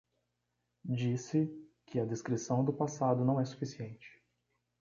Diz-se que a descrição do passado não é suficiente